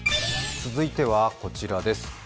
続いてはこちらです。